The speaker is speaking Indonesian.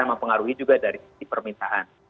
mempengaruhi juga dari sisi permintaan